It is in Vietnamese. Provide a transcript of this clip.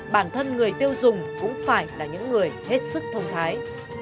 bản thân người tiêu dùng cũng phải là những người hết sức thông thái